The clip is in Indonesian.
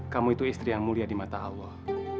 kamu itu istri yang mulia di mata allah